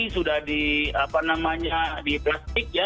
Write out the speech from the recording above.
sudah di plastik ya